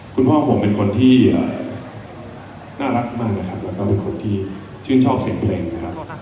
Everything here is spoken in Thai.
คุณพ่อผมเป็นคนที่น่ารักมากนะครับแล้วก็เป็นคนที่ชื่นชอบเสียงเพลงนะครับ